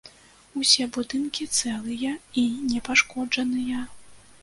Усе будынкі цэлыя і непашкоджаныя.